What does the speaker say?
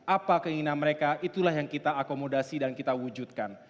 apa keinginan mereka itulah yang kita akomodasi dan kita wujudkan